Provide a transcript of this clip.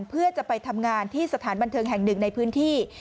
เพื่อจะไปทำงานที่สถานบันเทิงแห่งหนึ่งในพื้นที่